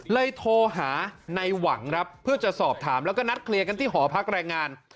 โทรหาในหวังครับเพื่อจะสอบถามแล้วก็นัดเคลียร์กันที่หอพักแรงงาน